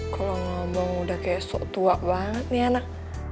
kalau ngomong udah kayak sok tua banget nih anak